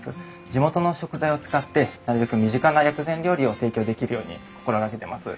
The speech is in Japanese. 地元の食材を使ってなるべく身近な薬膳料理を提供できるように心がけてます。